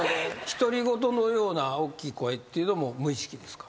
独り言のようなおっきい声っていうのも無意識ですか？